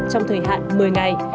trong thời hạn một mươi ngày